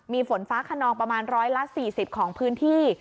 มีฝนฟ้าขนองประมาณ๑๔๐ของพื้นที่